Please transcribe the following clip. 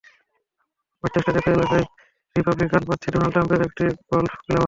ওয়েস্টচেস্টারের একই এলাকায় রিপাবলিকান প্রার্থী ডোনাল্ড ট্রাম্পেরও একটি গলফ ক্লাব আছে।